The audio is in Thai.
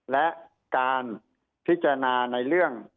และการพิจารณาในเรื่อง